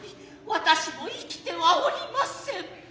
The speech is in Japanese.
私も生きては居りません。